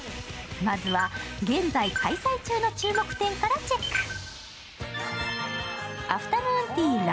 まずは現在開催中の注目店からチェック。